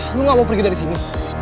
gue gak mau pergi dari sini